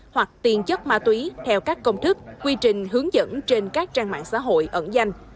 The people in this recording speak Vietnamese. hoặc tiền chất ma túy theo các công thức quy trình hướng dẫn trên các trang mạng xã hội ẩn danh